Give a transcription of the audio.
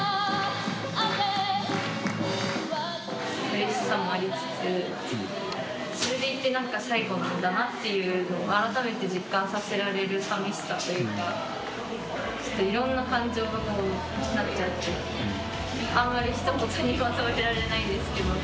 うれしさもありつつ、それでいてなんか最後なんだなっていうのを、改めて実感させられる寂しさというか、ちょっといろんな感情があっちゃって、あんまりひと言にまとめられないんですけど。